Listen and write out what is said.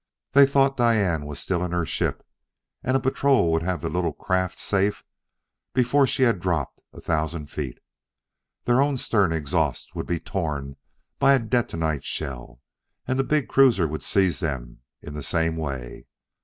They thought Diane was still in her ship, and a patrol would have the little craft safe before she had dropped a thousand feet. Their own stern exhaust would be torn by a detonite shell, and the big cruiser would seize them in the same way.